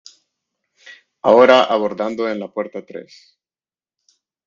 Ahora abordando en la puerta tres.